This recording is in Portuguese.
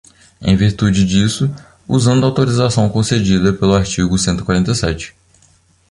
Em virtude disto, usando a autorização concedida pelo artigo cento e quarenta e sete.